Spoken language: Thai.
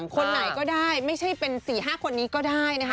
คนไหนก็ได้ไม่ใช่เป็น๔๕คนนี้ก็ได้นะคะ